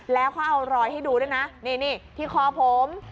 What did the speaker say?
แล้วเขาเอารอยให้ดูด้วยนะนี่ที่คอผม